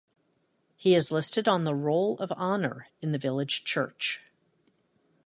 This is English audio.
He is listed on the Roll of Honour in the village church.